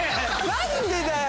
何でだよ。